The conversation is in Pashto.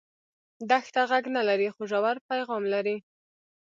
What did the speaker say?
دښته غږ نه لري خو ژور پیغام لري.